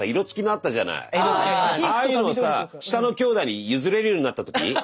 ああいうのをさ下のきょうだいに譲れるようになった時。